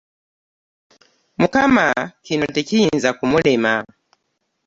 Mukama kino tekiyinza kumulema.